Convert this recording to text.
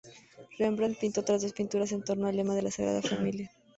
Rembrandt pintó otras dos pinturas en torno al tema de la Sagrada Familia.